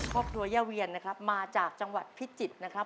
ครอบครัวย่าเวียนนะครับมาจากจังหวัดพิจิตรนะครับ